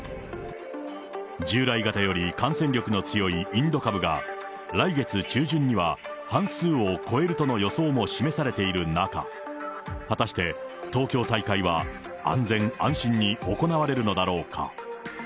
従来型より感染力の強いインド株が、来月中旬には半数を超えるとの予想も示されている中、果たして東京大会は安全安心に行われるのだろうか。